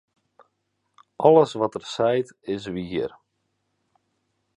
Alles wat er seit, is wier.